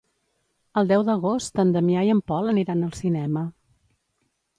El deu d'agost en Damià i en Pol aniran al cinema.